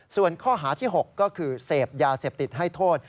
ส่วนข้อหาที่๖ก็คือเสพยาเสพติดให้โทษ